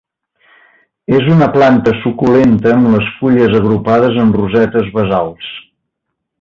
És una planta suculenta amb les fulles agrupades en rosetes basals.